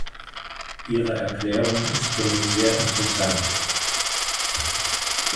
Ihre Erklärung ist für mich sehr interessant.